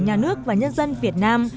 nhà nước và nhân dân việt nam